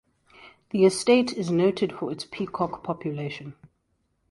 The estate is noted for its peacock population.